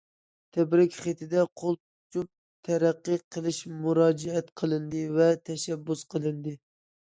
تەبرىك خېتىدە قول تۇتۇشۇپ تەرەققىي قىلىش مۇراجىئەت قىلىندى ۋە تەشەببۇس قىلىندى.